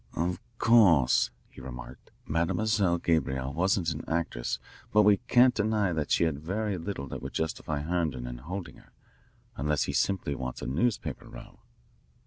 "Of course," he remarked, " Mademoiselle Gabrielle wasn't an actress. But we can't deny that she had very little that would justify Herndon in holding her, unless he simply wants a newspaper row."